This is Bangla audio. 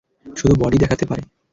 শুধু বডি দেখাতে পারে!